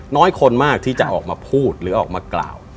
น้อยคนมากที่จะออกมาพูดหรือออกมากล่าว